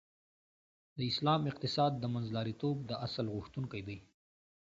د اسلام اقتصاد د منځلاریتوب د اصل غوښتونکی دی .